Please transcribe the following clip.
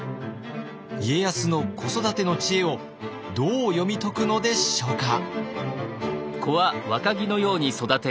家康の子育ての知恵をどう読み解くのでしょうか。